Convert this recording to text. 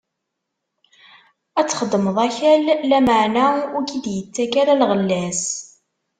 Ad txeddmeḍ akal, lameɛna ur k-d-ittak ara lɣella-s.